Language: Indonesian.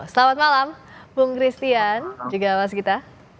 selamat malam bung christian juga mas gita